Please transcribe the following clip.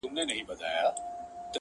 پاچا وغوښته نجلۍ واده تیار سو؛